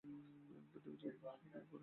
পৃথিবীর সর্বদেশেই পুরোহিতবর্গের এই রীতি।